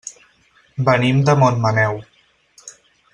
Venim de Montmaneu.